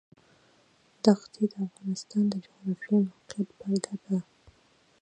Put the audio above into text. دښتې د افغانستان د جغرافیایي موقیعت پایله ده.